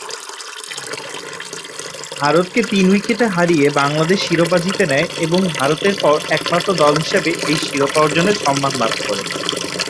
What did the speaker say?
ভারতকে তিন উইকেটে হারিয়ে বাংলাদেশ শিরোপা জিতে নেয় এবং ভারতের পর একমাত্র দল হিসেবে এই শিরোপা অর্জনের সম্মান লাভ করে।